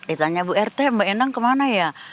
ditanya bu rt mbak endang kemana ya